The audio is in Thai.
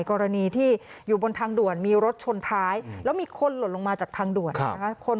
กรณีที่อยู่บนทางด่วนมีรถชนท้ายแล้วมีคนหล่นลงมาจากทางด่วนนะคะ